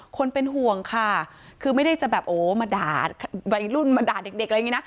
คนเป็นห่วงค่ะคือไม่ได้จะแบบโอ้มาด่าวัยรุ่นมาด่าเด็กอะไรอย่างนี้นะ